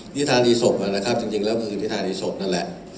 นิทานอีศบน่ะนะครับจริงจริงแล้วคือนิทานอีศบนั่นแหละ